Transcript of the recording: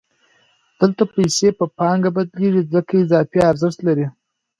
دلته پیسې په پانګه بدلېږي ځکه اضافي ارزښت لري